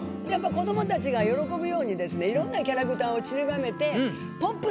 子どもたちが喜ぶようにですね色んなキャラクターをちりばめて。